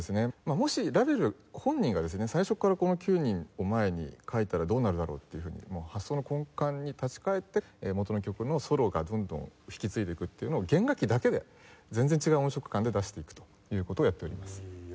もしラヴェル本人がですね最初からこの９人を前に書いたらどうなるだろうというふうに発想の根幹に立ち返って元の曲のソロがどんどん引き継いでいくっていうのを弦楽器だけで全然違う音色感で出していくという事をやっております。